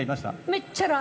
めっちゃラ。